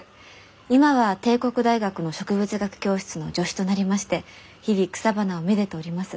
今は帝国大学の植物学教室の助手となりまして日々草花をめでております。